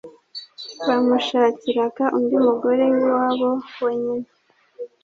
bamushakiraga undi mugore w'iwabo wa nyina,